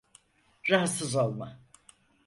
Rahatsız olma.